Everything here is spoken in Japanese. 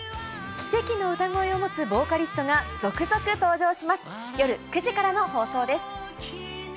奇跡の歌声を持つボーカリストが続々登場します。